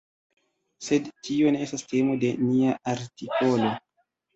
Sed tio ne estas temo de nia artikolo.